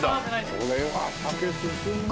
これは酒進むわ。